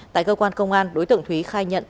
tại cơ quan công an đối tượng thúy khai nhận